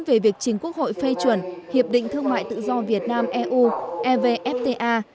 về việc chính quốc hội phê chuẩn hiệp định thương mại tự do việt nam eu evfta